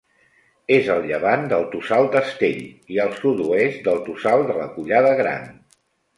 És a llevant del Tossal d'Astell, i al sud-oest del Tossal de la Collada Gran.